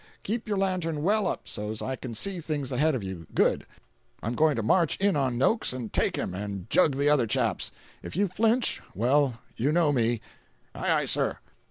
Keep your lantern well up so's I can see things ahead of you good. I'm going to march in on Noakes—and take him—and jug the other chaps. If you flinch—well, you know me." "Ay ay, sir."